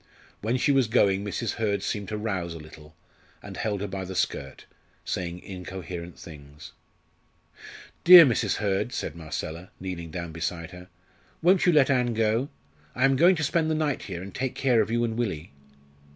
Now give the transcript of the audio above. When she was going, Mrs. Hurd seemed to rouse a little, and held her by the skirt, saying incoherent things. "Dear Mrs. Hurd," said Marcella, kneeling down beside her, "won't you let Ann go? I am going to spend the night here, and take care of you and Willie."